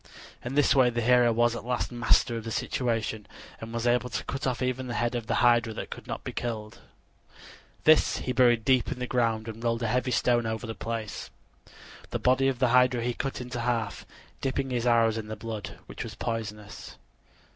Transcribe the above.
In this way the hero was at last master of the situation and was able to cut off even the head of the hydra that could not be killed. This he buried deep in the ground and rolled a heavy stone over the place. The body of the hydra he cut into half, dipping his arrows in the blood, which was poisonous.